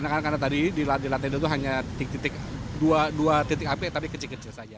karena tadi di lantai itu hanya dua titik api tapi kecil kecil saja